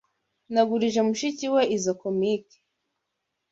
Nagurije mushiki we izo comics.